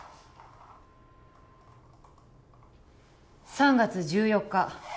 ３月１４日